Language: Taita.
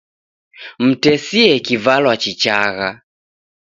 Mtesie kivalwa chichagha.